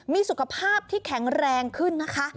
มีสุขภาพที่แข็งแรงขึ้นนะคะ